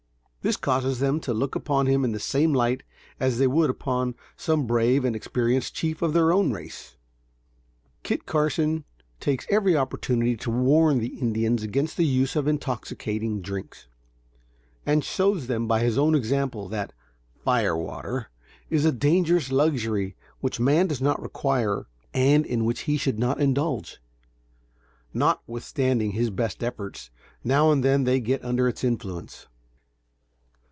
This causes them to look upon him in the same light as they would upon some brave and experienced chief of their own race. Kit Carson takes every opportunity to warn the Indians against the use of intoxicating drinks, and shows them by his own example, that "fire water" is a dangerous luxury which man does not require and in which he should not indulge. Notwithstanding his best efforts, now and then they get under its influence.